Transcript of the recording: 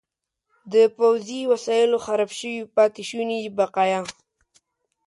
د پوځي وسایلو خراب شوي پاتې شوني بقایا.